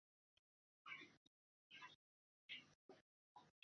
لا أستطيع أن أُصدق هذا!